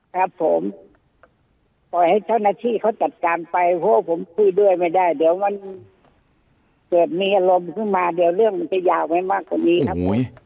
ครับผมปล่อยให้เจ้าหน้าที่เขาจัดการไปเพราะผมคุยด้วยไม่ได้เดี๋ยวมันเกิดมีอารมณ์ขึ้นมาเดี๋ยวเรื่องมันจะยาวไปมากกว่านี้ครับ